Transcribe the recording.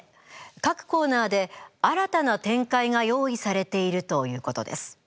各コーナーで新たな展開が用意されているということです。